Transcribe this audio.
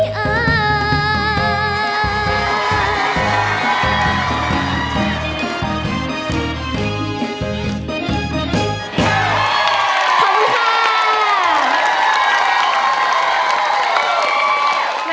ขอบคุณค่ะ